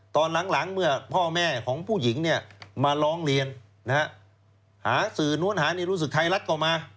ตอนหลังเมื่อพ่อแม่ของผู้หญิงมาร้องเรียนหาสื่อน้วนหารู้สึกใครรัดกลัวมา